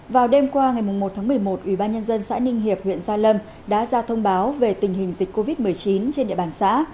vào đêm qua ngày một tháng một mươi một ubnd xã ninh hiệp huyện gia lâm đã ra thông báo về tình hình dịch covid một mươi chín trên địa bàn xã